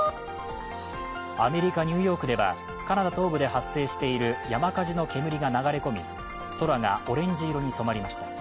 アメリカ・ニューヨークではカナダ東部で発生している山火事の煙が流れ込み空がオレンジ色に染まりました。